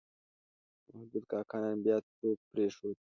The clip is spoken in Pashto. محمود کاکا نن بیا څوک پرېښود.